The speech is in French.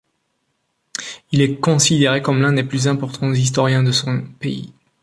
Il est considéré comme l'un des plus importants historiens de son pays.